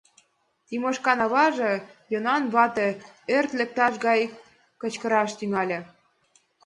— Тимошкан аваже, Йонан вате, ӧрт лекшаш гай кычкыраш тӱҥале.